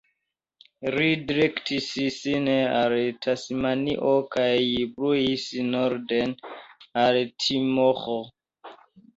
Li direktis sin al Tasmanio kaj pluis norden al Timoro.